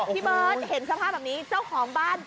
พี่เบิร์ตเห็นสภาพแบบนี้เจ้าของบ้าน